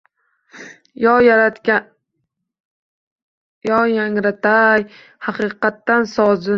To yangratay haqiqat sozin.